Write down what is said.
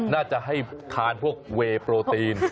น่าจะให้ทานพวกเวย์โปรตีน